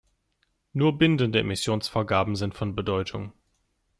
Nur bindende Emissionsvorgaben sind von Bedeutung.